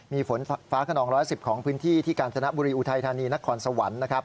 มีฝนฝ้ามีฝ้ากระนอง๑๑๐กริมของพื้นที่ที่กาญศนบุรีอุทัยธานีนครสวรรค์